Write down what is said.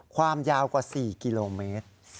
ความยาวกว่า๔กิโลเมตร